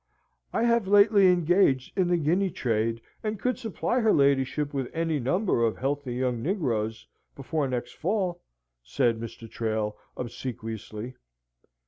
"I have lately engaged in the Guinea trade, and could supply her ladyship with any number of healthy young negroes before next fall," said Mr. Trail, obsequiously.